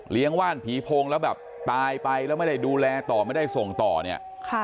ว่านผีโพงแล้วแบบตายไปแล้วไม่ได้ดูแลต่อไม่ได้ส่งต่อเนี่ย